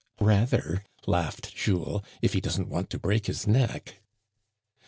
"Rather," laughed Jules, "if he doesn't want to break his neck."